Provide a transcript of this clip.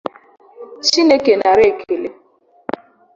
Chineke nara ekele!